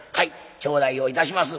頂戴をいたします。